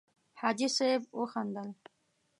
حاجي صیب وخندل.